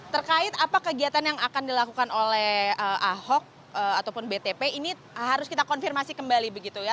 terkait apa kegiatan yang akan dilakukan oleh ahok ataupun btp ini harus kita konfirmasi kembali begitu ya